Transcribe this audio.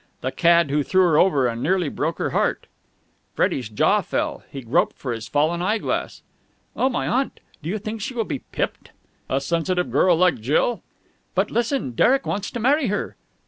The cad who threw her over and nearly broke her heart!" Freddie's jaw fell. He groped for his fallen eyeglass. "Oh, my aunt! Do you think she will be pipped?" "A sensitive girl like Jill?" "But, listen. Derek wants to marry her."